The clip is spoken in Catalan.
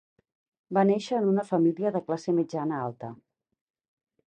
Va néixer en una família de classe mitjana-alta.